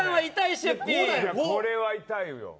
いやこれは痛いよ。